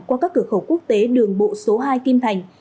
qua các cửa khẩu quốc tế đường bộ số hai kim thành